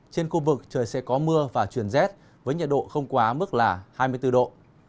trên khu vực trời sẽ có mưa và chuyển rét với nhiệt độ không quá mức là hai mươi bốn độ